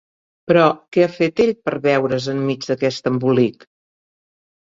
Però, què ha fet ell per veure's enmig d'aquest embolic?